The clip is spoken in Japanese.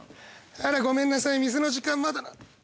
あらごめんなさい店の時間まだ。